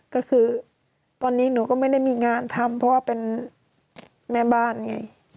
ก็คือตอนนี้หนูก็ไม่ได้มีงานทำเพราะว่าเป็นแม่บ้านไง